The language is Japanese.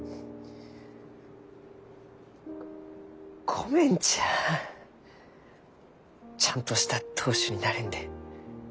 ごめんちやちゃんとした当主になれんで。